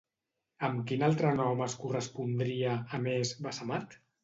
Amb quin altre nom es correspondria, a més, Bassemat?